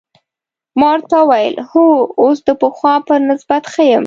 ما ورته وویل: هو، اوس د پخوا په نسبت ښه یم.